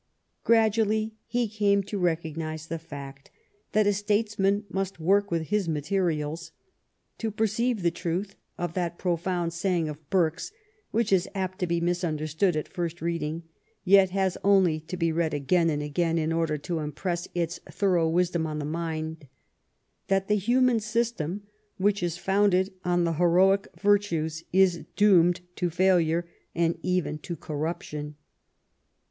Gradually he came to recognize the fact that a statesman must work with his materials, to perceive the truth of that profound saying of Burke's which is apt to be misunderstood at a first reading, yet has only to be read again and again in order to impress its thorough wisdom on the mind, that the human system which is founded on the heroic virtues is doomed to failure and even to cor ruption.